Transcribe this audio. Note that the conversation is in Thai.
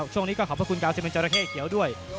ช่วงนี้ก็ขอบพระคุณกาวซิเมนจราเข้เขียวด้วย